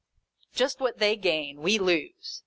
Just what they gain, we lose.